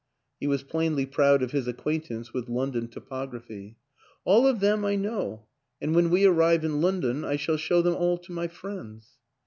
(He was plainly proud of his acquaintance with London topography.) " All of them I know, and when we arrive in Lon don I shall show them all to my friends."